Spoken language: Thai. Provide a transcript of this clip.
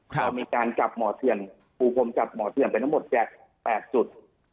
ครับมีการจับหมอเชื่อนภูพรมจับหมอเชื่อนเป็นทั้งหมดแปดจุด